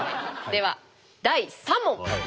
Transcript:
では第３問。